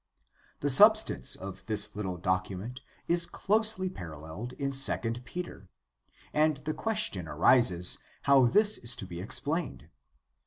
The substance of this little document is closely paralleled in II Peter, and the question arises how this is to be explained.